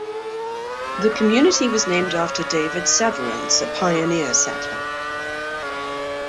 The community was named after David Severance, a pioneer settler.